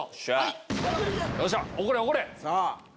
怒れ怒れ！